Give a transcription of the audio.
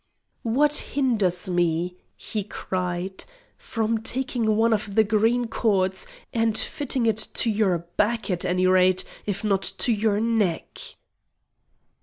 "What hinders me," he cried, "from taking one of the green cords, and fitting it to your back at any rate, if not to your neck!"